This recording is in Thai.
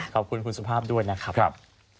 ขอบคุณคุณสุภาพด้วยนะครับ